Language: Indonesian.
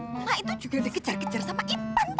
mama itu juga dikejar kejar sama ipan toh